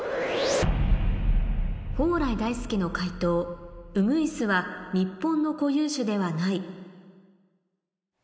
蓬莱大介の解答「ウグイスは日本の固有種ではない」